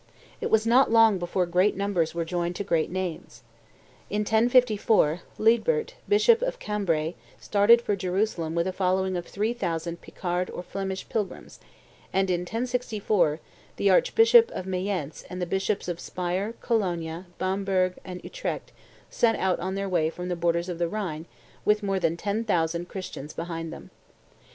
It was not long before great numbers were joined to great names. In 1054, Liedbert, bishop of Cambrai, started for Jerusalem with a following of three thousand Picard or Flemish pilgrims; and in 1064, the archbishop of Mayence and the bishops of Spire, Cologne, Bamberg, and Utrecht set out on their way from the borders of the Rhine with more than ten thousand Christians behind them.